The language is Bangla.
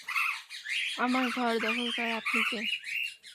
আমার ঘর দখল করার আপনি কে?